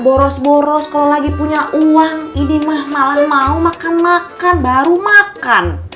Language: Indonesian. boros boros kalau lagi punya uang ini mah malah mau makan makan baru makan